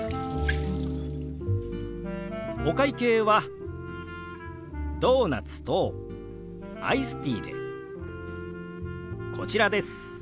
お会計はドーナツとアイスティーでこちらです。